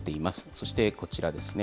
そしてこちらですね。